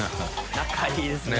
仲いいですね。